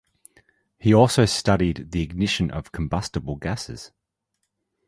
He also studied the ignition of combustible gases.